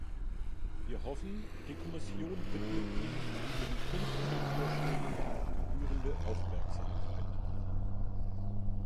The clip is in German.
Wir hoffen, die Kommission widmet ihm in ihren künftigen Vorschlägen die gebührende Aufmerksamkeit.